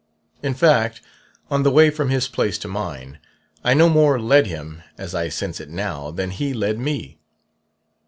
In fact, on the way from his place to mine, I no more led him (as I sense it now) than he led me.